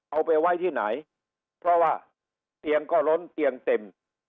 เอาไปไว้ที่ไหนเพราะว่าเตียงก็ล้นเตียงเต็ม